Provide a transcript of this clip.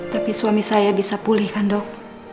tapi suami saya bisa pulih kan dok